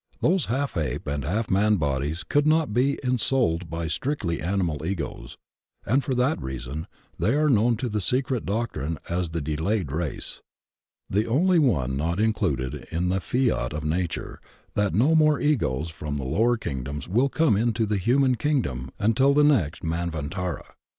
Those half ape and half man bodies could not be ensouled by strictly animal Egos, and for that rea son they are known to the Secret Doctrine as the "De layed Race," the only one not included in the fiat of Nature that no more Egos from the lower kingdoms will come into the human kingdom until the next Manvantara.